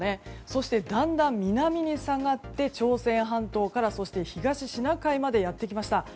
そして、だんだん南に下がって朝鮮半島からそして東シナ海までやってきました。